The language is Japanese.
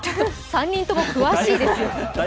３人とも詳しいですよね。